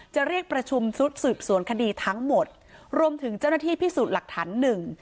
จะเรียกประชุมชุดสืบสวนคดีทั้งหมดรวมถึงเจ้าหน้าที่พิสูจน์หลักฐานหนึ่ง